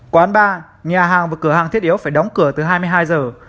quán bar nhà hàng và cửa hàng thiết yếu phải đóng cửa từ hai mươi hai giờ